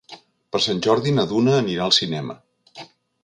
Per Sant Jordi na Duna anirà al cinema.